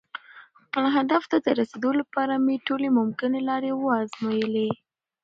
خپل هدف ته د رسېدو لپاره مې ټولې ممکنې لارې وازمویلې.